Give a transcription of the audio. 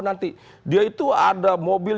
nanti dia itu ada mobil